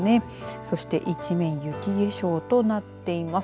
そして一面雪化粧となっています。